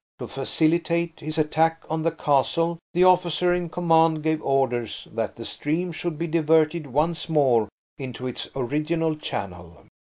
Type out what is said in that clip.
To facilitate his attack on the castle the officer in command gave orders that the stream should be diverted once more into its original channel.